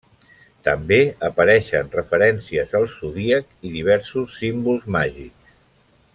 També apareixen referències al zodíac i diversos símbols màgics.